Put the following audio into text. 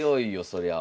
そりゃ。